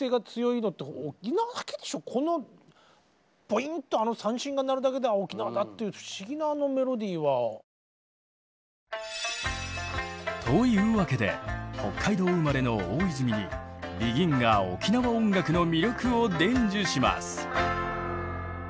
ポインとあの三線が鳴るだけで沖縄だっていう不思議なメロディーは。というわけで北海道生まれの大泉にＢＥＧＩＮが沖縄音楽の魅力を伝授します！